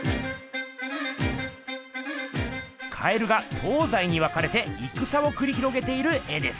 蛙が東西に分かれていくさをくり広げている絵です。